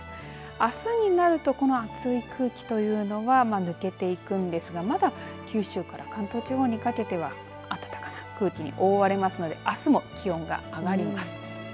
あすになるとこの暑い空気というのは抜けていくんですがまだ九州から関東地方にかけては暖かな空気に覆われますのであすも気温が上がります。